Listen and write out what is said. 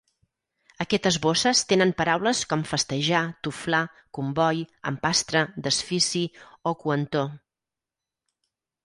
Aquestes bosses tenen paraules com festejar, toflar, comboi, empastre, desfici o coentor.